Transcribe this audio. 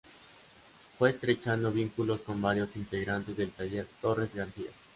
Fue estrechando vínculos con varios integrantes del Taller Torres García.